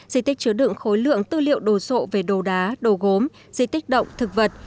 di tích chứa đựng khối lượng tư liệu đồ sộ về đồ đá đồ gốm di tích động thực vật